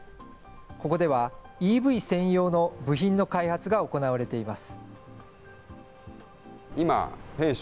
ここでは、ＥＶ専用の部品の開発が行われています。